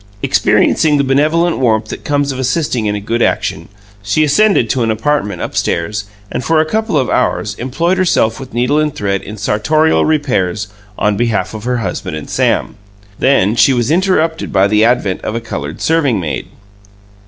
Experiencing the benevolent warmth that comes of assisting in a good action, she ascended to an apartment upstairs, and, for a couple of hours, employed herself with needle and thread in sartorial repairs on behalf of her husband and Sam. Then she was interrupted by the advent of a coloured serving maid.